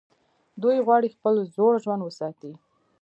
دوی غواړي خپل زوړ ژوند وساتي.